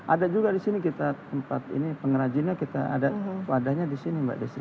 ada juga di sini kita tempat ini pengrajinnya kita ada wadahnya di sini mbak desi